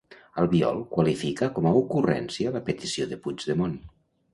Albiol qualifica com a ocurrència la petició de Puigdemont.